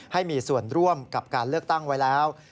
ให้มีส่วนร่วมกับการเลือกตั้งไว้แล้ว